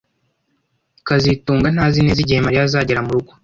kazitunga ntazi neza igihe Mariya azagera murugo